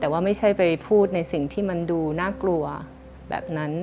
แต่ว่าไม่ใช่ไปพูดในสิ่งที่มันดูน่ากลัวแบบนั้น